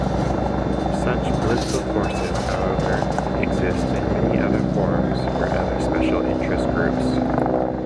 Such political forces, however, exist in many other forms for other special interest groups.